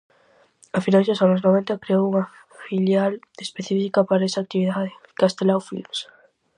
A finais dos anos noventa creou unha filial específica para esa actividade, Castelao Films.